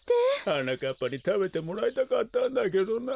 はなかっぱにたべてもらいたかったんだけどな。